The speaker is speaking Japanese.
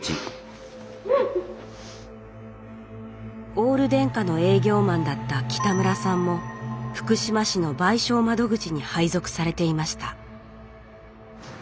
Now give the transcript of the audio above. オール電化の営業マンだった北村さんも福島市の賠償窓口に配属されていました